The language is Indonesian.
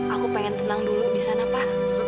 aku pengen tenang dulu di sana pak